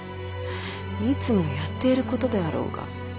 いつもやっていることであろうが。